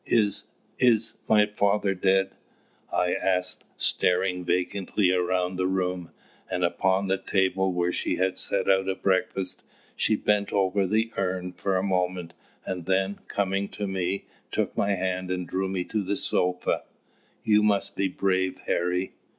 "Is is my father dead?" I asked, staring vacantly around the room, and upon the table where she had set out a breakfast. She bent over the urn for a moment, and then, coming to me, took my hand and drew me to the sofa. "You must be brave, Harry."